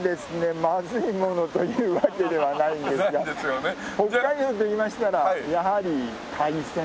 まずいものというわけではないんですが北海道といいましたらやはり海鮮。